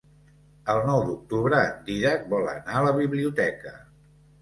El nou d'octubre en Dídac vol anar a la biblioteca.